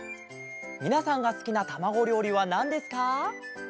みなさんがすきなたまごりょうりはなんですか？